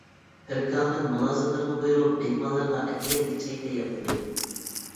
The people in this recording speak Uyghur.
پىركامىل مۇلازىملىرىغا بۇيرۇپ مېھمانلىرىغا ئەتىگەنلىك چاي تەييارلىدى.